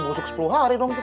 busuk sepuluh hari dong kita